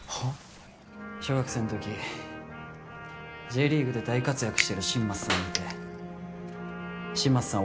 小学生のとき、Ｊリーグで大活躍している新町さんを見て新町さん